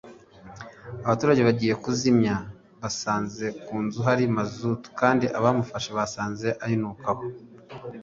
Abaturage bagiye kuzimya basanze ku nzu hari mazutu kandi abamufashe basanga ayinukaho